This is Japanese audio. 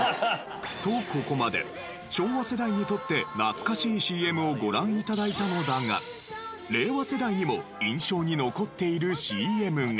とここまで昭和世代にとって懐かしいＣＭをご覧頂いたのだが令和世代にも印象に残っているＣＭが。